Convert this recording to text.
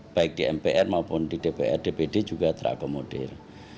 baik di mpr maupun di dpr dpd juga terakomodir